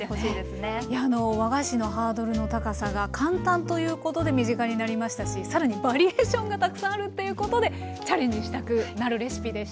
いや和菓子のハードルの高さが簡単ということで身近になりましたし更にバリエーションがたくさんあるっていうことでチャレンジしたくなるレシピでした。